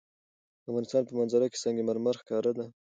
د افغانستان په منظره کې سنگ مرمر ښکاره ده.